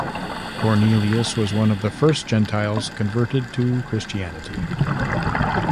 Cornelius was one of the first Gentiles converted to Christianity.